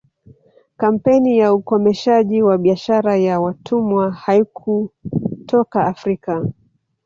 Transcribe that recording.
Kampeni ya ukomeshaji wa biashara ya watumwa haikutoka Afrika